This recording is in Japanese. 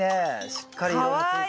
しっかり色もついて。